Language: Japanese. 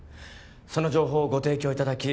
その情報をご提供いただき